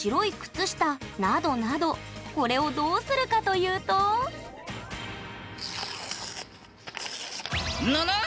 これをどうするかというとぬぬ！